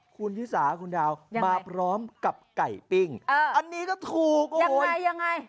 คุณชิสาคุณดาวมาพร้อมกับไก่ปิ้งอันนี้ก็ถูกยังไงยังไง